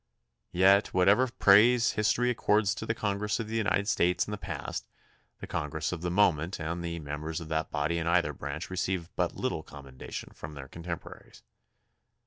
Yet whatever praise history ac cords to the Congress of the United States in the past the Congress of the moment and the members of that body in either branch receive but little conomendation from their contemporaries.